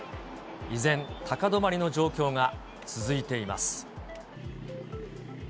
依然、高止まりの状況が続いています。